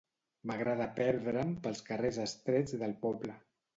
M'agrada perdre'm pels carrers estrets del poble.